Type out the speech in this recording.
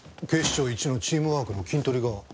警視庁一のチームワークのキントリが。